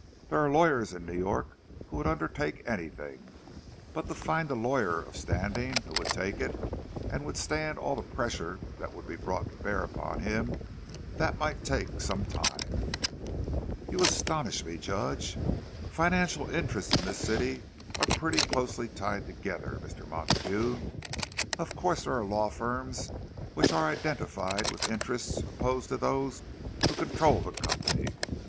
There are lawyers in New York who would undertake anything. But to find a lawyer of standing who would take it, and withstand all the pressure that would be brought to bear upon him—that might take some time." "You astonish me, Judge." "Financial interests in this city are pretty closely tied together, Mr. Montague. Of course there are law firms which are identified with interests opposed to those who control the company.